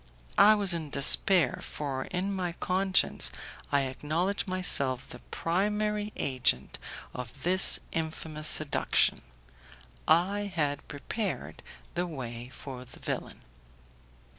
I was in despair, for in my conscience I acknowledged myself the primary agent of this infamous seduction; I had prepared the way for the villain.